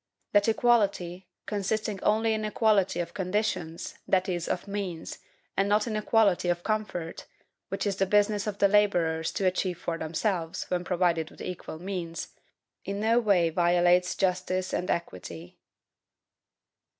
That EQUALITY, consisting only in EQUALITY OF CONDITIONS, that is, OF MEANS, and not in EQUALITY OF COMFORT, which it is the business of the laborers to achieve for themselves, when provided with equal means, in no way violates justice and equite.